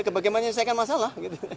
ya bagaimana nyelesaikan masalah